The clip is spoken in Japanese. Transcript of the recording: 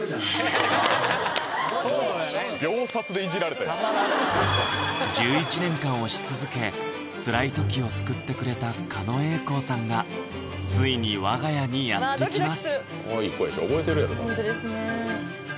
秒殺でいじられたやん１１年間推し続け辛い時を救ってくれた狩野英孝さんがついに我が家にやって来ます